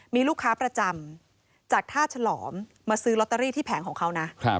มีลูกค้าประจำจากท่าฉลอมมาซื้อลอตเตอรี่ที่แผงของเขานะ